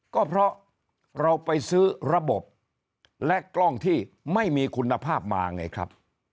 ก็เพราะเราไปซื้อระบบและกล้องที่ไม่มีคุณภาพมาไงครับ